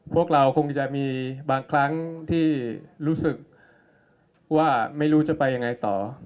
พวกเราคงจะมีบางครั้งที่รู้สึกว่าไม่รู้จะไปยังไงต่อ